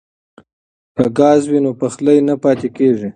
که ګاز وي نو پخلی نه پاتې کیږي.